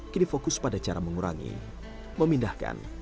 kini fokus pada cara mengurangi memindahkan